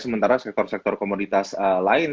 sementara sektor sektor komoditas lain